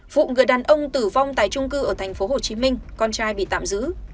vụ người đàn ông tử vong tại trung cư ở tp hcm con trai bị tạm giữ